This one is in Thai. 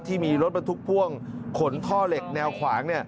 ที่มีรถบรรทุกพ่วงขนท่อเหล็กแนวขวาง